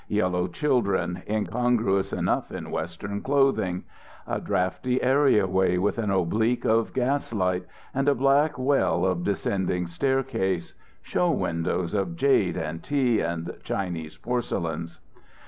Yellow children, incongruous enough in Western clothing. A drafty areaway with an oblique of gaslight and a black well of descending staircase. Show windows of jade and tea and Chinese porcelains.